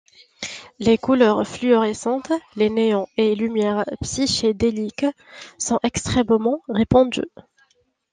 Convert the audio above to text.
Les couleurs fluorescentes, les néons et lumières psychédéliques sont extrêmement répandus.